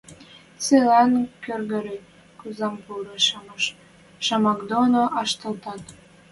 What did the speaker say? Цилӓн Кӹргӧри кугузам пуры шамак доно ӓштӓлтӓт.